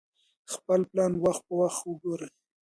خپل پلان وخت په وخت وګورئ.